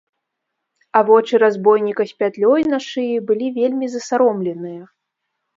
А вочы разбойніка з пятлёй на шыі былі вельмі засаромленыя.